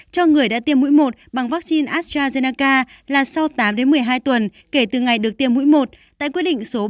cho người đã tiêm mũi một bằng vaccine astrazeneca là sau tám đến một mươi hai tuần kể từ ngày được tiêm mũi một